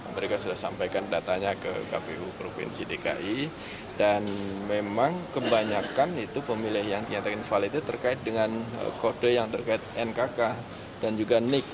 mereka sudah sampaikan datanya ke kpu provinsi dki dan memang kebanyakan itu pemilih yang dinyatakan invalid itu terkait dengan kode yang terkait nkk dan juga nik